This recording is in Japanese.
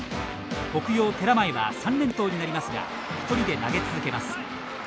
北陽寺前は３連投になりますが一人で投げ続けます。